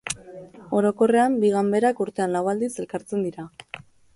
Orokorrean, bi ganberak urtean lau aldiz elkartzen dira.